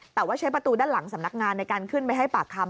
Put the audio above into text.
แต่ว่าใช้ประตูด้านหลังสำนักงานในการขึ้นไปให้ปากคำ